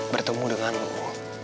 bertemu dengan lu